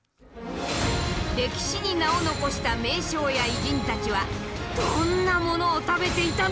歴史に名を残した名将や偉人たちはどんなものを食べていたのか。